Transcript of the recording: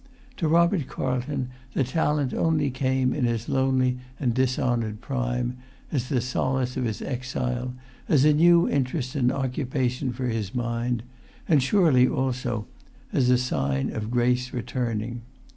To Robert Carlton the talent only came in his lonely and dishonoured prime, as the solace of his exile, as a new interest and occupation for his mind, and surely also as a sign of grace returning.